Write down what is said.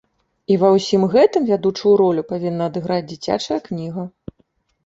І ва ўсім гэтым вядучую ролю павінна адыграць дзіцячая кніга.